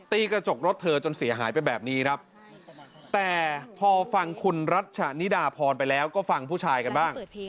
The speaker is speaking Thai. กระจกรถเธอจนเสียหายไปแบบนี้ครับแต่พอฟังคุณรัชนิดาพรไปแล้วก็ฟังผู้ชายกันบ้าง